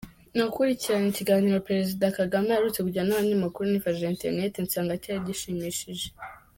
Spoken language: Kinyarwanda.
Nakurikiranye ikiganiro Perezida Kagame aherutse kugirana n’abanyamakuru nifashishije internet, nsanga cyari gishimishije.